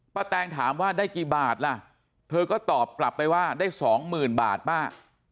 แตงถามว่าได้กี่บาทล่ะเธอก็ตอบกลับไปว่าได้สองหมื่นบาทป้า